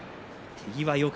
手際よく。